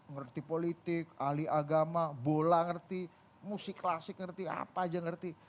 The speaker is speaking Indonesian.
ngerti politik ahli agama bola ngerti musik klasik ngerti apa aja ngerti